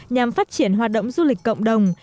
nhằm phát triển hoạt động du lịch cộng đồng